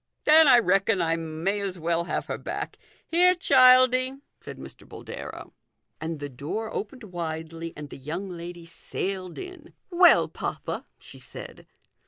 " Then I reckon I may as well have her back. Here, Childie," said Mr. Boldero. And the door opened widely, and the young lady sailed in. " Well, papa," she said.